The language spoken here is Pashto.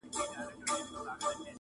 بلکې د پوهاوي له لارې یې مومو.